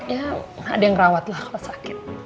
ya ada yang rawat lah kalau sakit